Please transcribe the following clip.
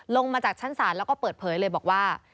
ลงมาจากชั้นศาลแล้วก็เปิดเผยเลยบอกว่า